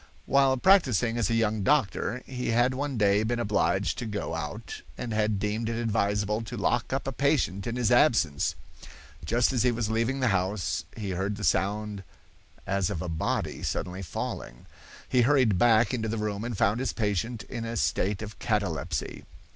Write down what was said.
"While practising as a young doctor, he had one day been obliged to go out and had deemed it advisable to lock up a patient in his absence. Just as he was leaving the house he heard the sound as of a body suddenly falling. He hurried back into the room and found his patient in a state of catalepsy.